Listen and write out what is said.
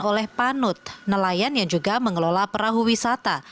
oleh panut nelayan yang juga mengelola perahu wisata